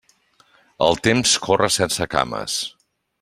El temps corre sense cames.